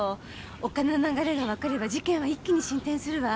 お金の流れがわかれば事件は一気に進展するわ。